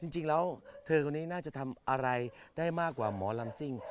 จริงแล้วเธอคนนี้น่าจะทำอะไรได้มากกว่าหมอลำซิ่ง